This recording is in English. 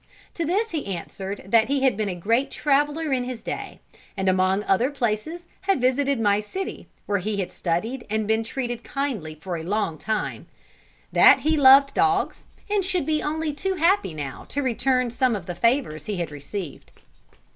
To this he answered, that he had been a great traveller in his day, and among other places had visited my city, where he had studied and been treated kindly for a long time; that he loved dogs, and should be only too happy now to return some of the favours he had received.